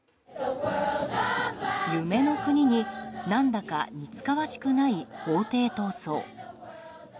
夢の国に、何だか似つかわしくない法廷闘争。